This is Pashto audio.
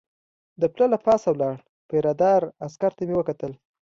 د پله له پاسه ولاړ پیره دار عسکر ته مې وکتل.